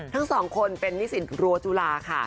ทั้งสองคนเป็นนิสิตรั้วจุฬาค่ะ